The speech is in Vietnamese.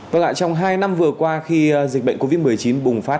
vâng ạ trong hai năm vừa qua khi dịch bệnh covid một mươi chín bùng phát